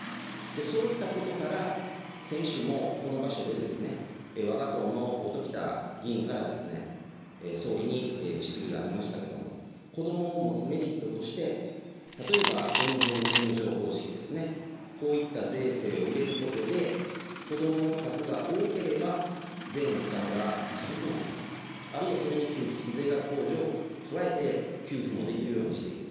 そういったことから、先週もこの場所でですね、わが党の音喜多議員から総理に質疑がありましたけども、子どもを持つメリットとして、例えばＮ分Ｎ乗方式ですね、こういった税制を入れることで、子どもの数が多ければ、税の負担が軽くなる、あるいは、それに給付付き税額控除を加えて、給付もできるようにしていく。